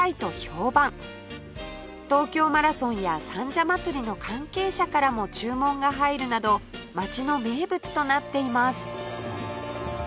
東京マラソンや三社祭の関係者からも注文が入るなど町の名物となっています